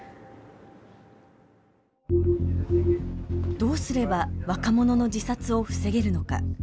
どうすれば若者の自殺を防げるのか。